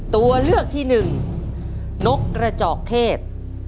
ตัวเลือกที่หนึ่งนกกระจอกเทศ